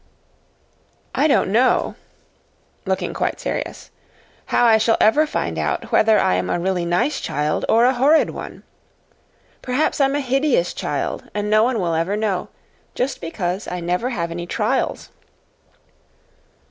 I don't know" looking quite serious "how I shall ever find out whether I am really a nice child or a horrid one. Perhaps I'm a HIDEOUS child, and no one will ever know, just because I never have any trials."